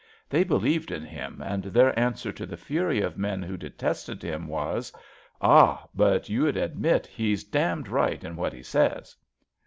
They believed in him, and their answer to the fury of men who detested him was: *^ Ah! But you'll admit he's d — d right in what he says.''